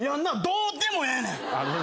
どうでもええねん。